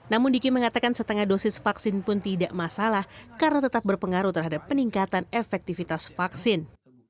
namun diki mengatakan setengah dosis vaksin pun tidak masalah karena tetap berpengaruh terhadap peningkatan efektivitas vaksin